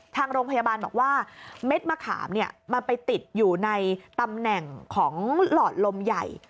ทางโรงพยาบาลบอกว่าเม็ดมะขามมันไปติดอยู่ในตำแหน่งของหลอดลมใหญ่